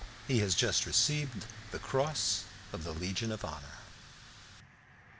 He has just received the cross of the Legion of Honour.